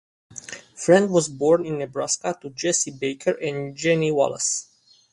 Friend was born in Nebraska to Jesse Baker and Jennie Wallace.